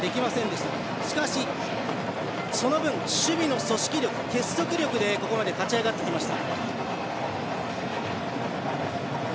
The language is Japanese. しかし、その分、守備の組織力結束力でここまで勝ち上がってきました。